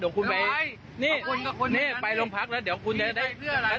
เดี๋ยวคุณไปนี่นี่ไปลงพักแล้วเดี๋ยวคุณจะได้เพื่ออะไร